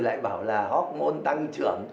lại bảo là hóc ngôn tăng trưởng